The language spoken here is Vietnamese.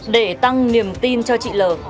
để tăng niềm tin cho chị lờ